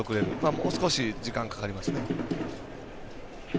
もう少し、時間かかりますね。